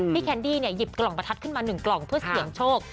แคนดี้หยิบกล่องประทัดขึ้นมา๑กล่องเพื่อเสี่ยงโชค